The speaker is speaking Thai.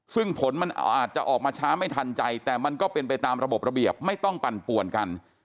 ซึ่งผลมันอาจจะออกมาช้าไม่ทันใจแต่มันก็เป็นไปตามระบบระเบียบไม่ต้องปั่นป่วนกัน